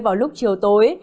vào lúc chiều tối